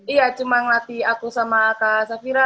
iya cuma ngelatih aku sama kak safira